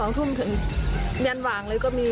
๒ทุ่มถึงยันหว่างเลยก็มี